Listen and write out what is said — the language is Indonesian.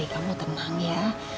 kamu tenang ya